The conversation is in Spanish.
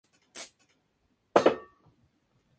Al parecer es el juego favorito de Mark Zuckerberg.